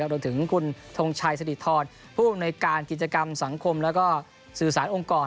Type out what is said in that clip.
รวมถึงคุณทงชัยสถิธรผู้อำนวยการกิจกรรมสังคมแล้วก็สื่อสารองค์กร